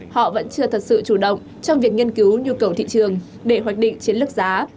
họ vẫn chưa thật sự chủ động trong việc nghiên cứu nhu cầu thị trường để hoạch định chiến lược giá